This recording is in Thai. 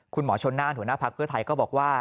คุณหมอชนน่านหัวหน้าพักเพื่อไทยก็บอกว่า